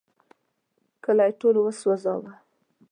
کلی ټول وسوځاوه.